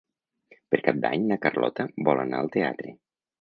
Per Cap d'Any na Carlota vol anar al teatre.